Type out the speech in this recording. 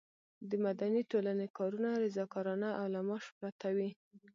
د مدني ټولنې کارونه رضاکارانه او له معاش پرته وي.